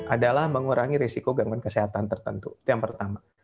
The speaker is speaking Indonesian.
adalah mengurangi risiko gangguan kesehatan tertentu itu yang pertama